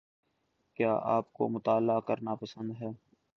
کیا آپ کو مطالعہ کرنا پسند ہے